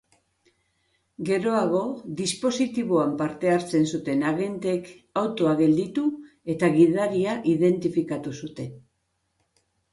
Geroago, dispositiboan parte hartzen zuten agenteek autoa gelditu eta gidaria identifikatu zuten.